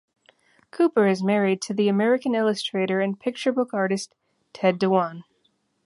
Cooper is married to the American illustrator and picture book artist Ted Dewan.